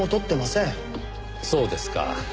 そうですか。